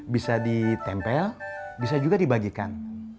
bisa ditempel bisa juga dibagikan